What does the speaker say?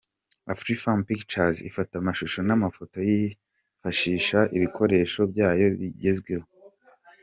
Afrifame Pictures ifata amashusho n'amafoto yifashishije ibikoresho byayo bigezweho.